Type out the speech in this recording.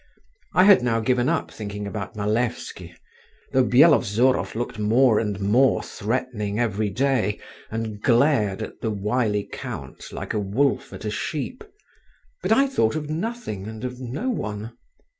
I had now given up thinking about Malevsky, though Byelovzorov looked more and more threatening every day, and glared at the wily count like a wolf at a sheep; but I thought of nothing and of no one.